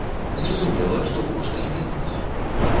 Зразумела, што кошт зменіцца.